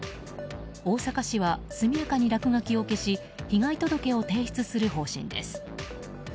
大阪市は速やかに落書きを消し被害届を提出する方針です。